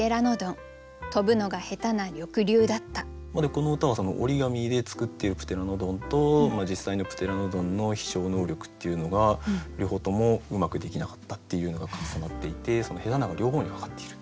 この歌は折り紙で作っているプテラノドンと実際のプテラノドンの飛しょう能力っていうのが両方ともうまくできなかったっていうのが重なっていて「下手な」が両方にかかっている。